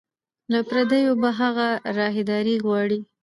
له پردیو به هغه راهداري غواړي